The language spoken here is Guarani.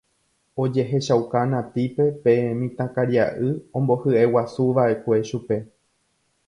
ojehechauka Natípe pe mitãkaria'y ombohyeguasuva'ekue chupe